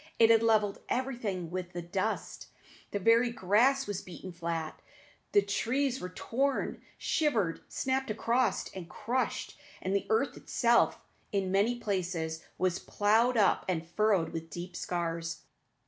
It had levelled everything with the dust; the very grass was beaten flat; the trees were torn, shivered, snapped across, and crushed; and the earth itself in many places was ploughed up and furrowed with deep scars.